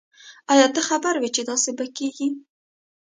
آیا ته خبر وی چې داسي به کیږی